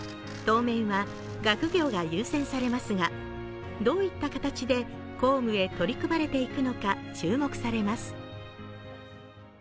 当面は学業が優先されますがどういった形で公務へ取り組まれていくのか注目されます。